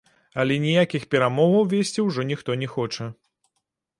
Але ніякіх перамоваў весці ўжо ніхто не хоча.